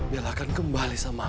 bella akan kembali sama aku